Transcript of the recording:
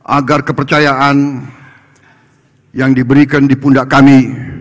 agar kepercayaan yang diberikan di pundak kami